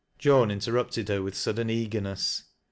Joan interrupted her with sudden eagerness.